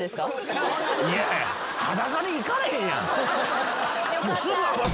いや裸で行かれへんやん。